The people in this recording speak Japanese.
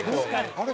あれ？